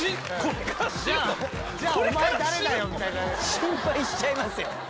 心配しちゃいますよ。